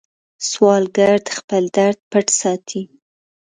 سوالګر د خپل درد پټ ساتي